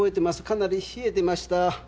かなり冷えてました。